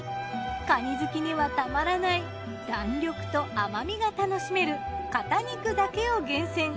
かに好きにはたまらない弾力と甘みが楽しめる肩肉だけを厳選。